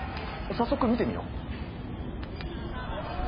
早速見てみよう。